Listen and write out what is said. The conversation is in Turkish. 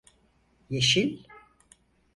Yeşil…